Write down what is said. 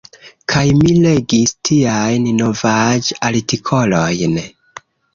Kaj mi legis tiajn novaĵ-artikolojn.